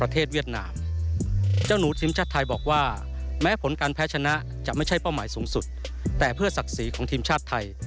แต่เพื่อศักดิ์ศรีของทีมชาติไทย